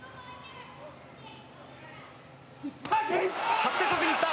張って差しにいった！